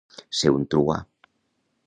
Ser un truà.